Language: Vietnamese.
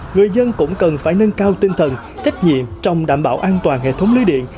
người dân cũng cần phải nâng cao tinh thần trách nhiệm trong đảm bảo an toàn hệ thống lưới điện